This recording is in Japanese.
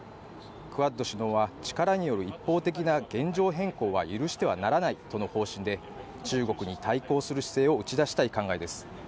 クアッド首脳は力による一方的な現状変更は許してはならないとの方針で中国に対抗する姿勢を打ち出したい考えです